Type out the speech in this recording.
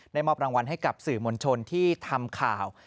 มอบรางวัลให้กับสื่อมวลชนที่ทำข่าว